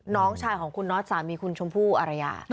น้องชายของคุณน็อตสามีคุณชมพู่อารยา